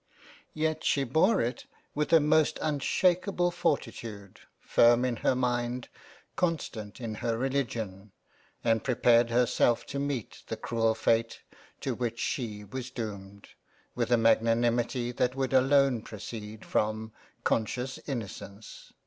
Yet she bore it with a most unshaken fortitude, firm in her mind ; constant in her Religion ; and prepared herself to meet the cruel fate to which she was doomed, with a magnanimity that would alone proceed from conscious Innocence.